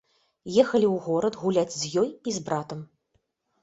Ехалі ў горад гуляць з ёй і з братам.